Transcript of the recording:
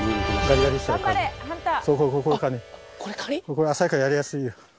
これ浅いからやりやすい。